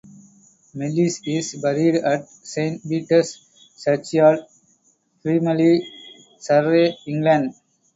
Melliss is buried at Saint Peter's Churchyard, Frimley, Surrey, England.